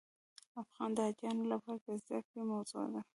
د افغان حاجیانو لپاره د زده کړې موضوع ده.